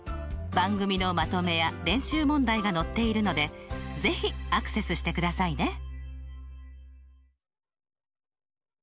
番組のまとめや練習問題が載っているので是非アクセスしてくださいね！